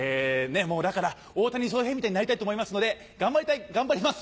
だから大谷翔平みたいになりたいと思いますので頑張りたい頑張ります。